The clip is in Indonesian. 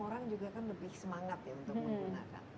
orang juga kan lebih semangat ya untuk menggunakan